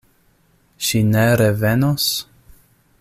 Ŝi ne revenos?